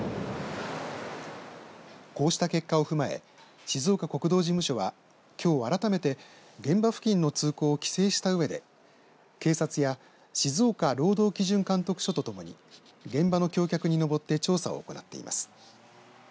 こうした結果を踏まえ静岡国道事務所はきょう改めて現場付近の通行を規制したうえで警察や静岡労働基準監督署とともに現場の橋脚に登って調査を行っています。